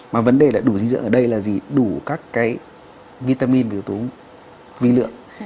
mà vấn đề là đủ dinh dưỡng ở đây là gì đủ các cái vitamin yếu tố vi lượng